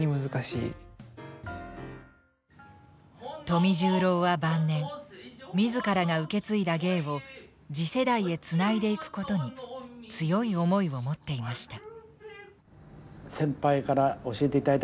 富十郎は晩年自らが受け継いだ芸を次世代へつないでいくことに強い思いを持っていました。